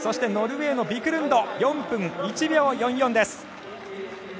そしてノルウェーのビクルンド４分１秒４４です。